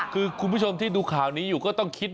คือคุณผู้ชมที่ดูข่าวนี้อยู่ก็ต้องคิด